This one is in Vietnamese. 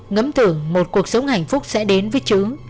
ngấm tưởng một cuộc sống hạnh phúc sẽ đến với chứ